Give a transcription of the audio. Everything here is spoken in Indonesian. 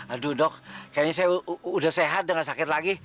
aduh dok kayaknya saya udah sehat dengan sakit lagi